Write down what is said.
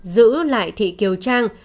giữ lại thị kiều trang